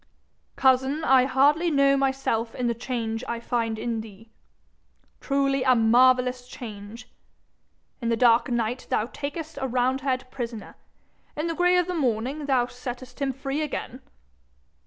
'Cousin, I hardly know myself in the change I find in thee! Truly, a marvellous change! In the dark night thou takest a roundhead prisoner; in the gray of the morning thou settest him free again!